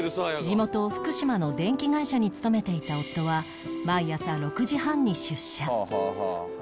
地元福島の電気会社に勤めていた夫は毎朝６時半に出社